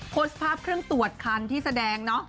โพสต์ภาพเครื่องตรวจคันที่แสดงเนาะ